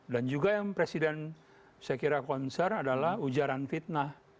dan juga yang presiden saya kira konser adalah ujaran fitnah